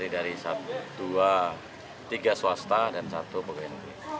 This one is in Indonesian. dari dua tiga swasta dan satu peguam